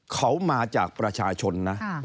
เขามาจากประชาชนนะ